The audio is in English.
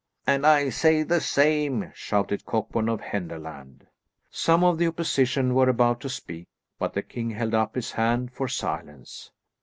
"And I say the same," shouted Cockburn of Henderland. Some of the opposition were about to speak, but the king held up his hand for silence.